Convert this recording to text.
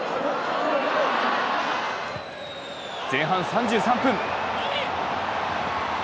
前半３３分。